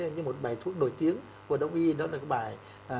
như một bài thuốc nổi tiếng của đông y đó là cái bài